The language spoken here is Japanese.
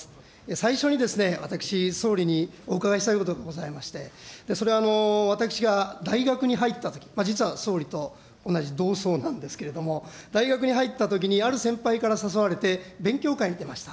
最初にですね、私、総理にお伺いしたいことがございまして、それは、私が大学に入ったとき、実は総理と同じ同窓なんですけれども、大学に入ったときにある先輩から誘われて、勉強会に出ました。